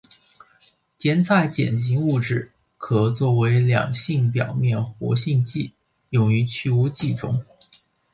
甜菜碱型物质可作为两性表面活性剂用于去污剂中。